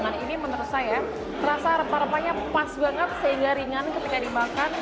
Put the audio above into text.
karena ini menurut saya terasa rempah rempahnya pas banget sehingga ringan ketika dimakan